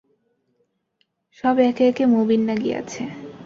সব একে একে মবিন্যা গিযাছে।